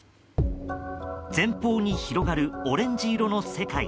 前方に広がるオレンジ色の世界。